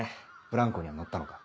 ブランコには乗ったのか？